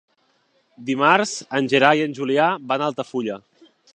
Dimarts en Gerai i en Julià van a Altafulla.